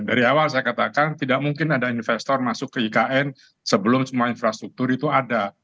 dari awal saya katakan tidak mungkin ada investor masuk ke ikn sebelum semua infrastruktur itu ada